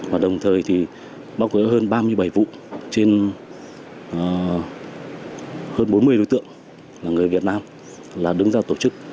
và đồng thời thì bóc gỡ hơn ba mươi bảy vụ trên hơn bốn mươi đối tượng là người việt nam là đứng ra tổ chức